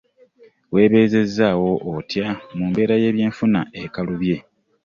Weebezezzaawo otya mu mbeera y'ebye nfuna ekalubye?